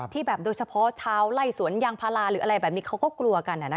แบบโดยเฉพาะชาวไล่สวนยางพาราหรืออะไรแบบนี้เขาก็กลัวกัน